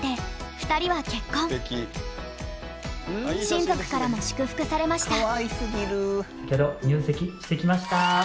親族からも祝福されました。